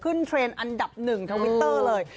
ขึ้นเทรนด์อันดับหนึ่งทางมิวเตอร์เลย